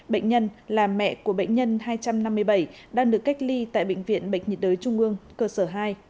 bệnh nhân là mẹ của bệnh nhân hai trăm năm mươi bảy đang được cách ly tại bệnh viện bệnh nhiệt đới trung ương cơ sở hai